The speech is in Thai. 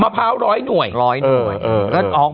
มะพร้าวร้อยหน่วย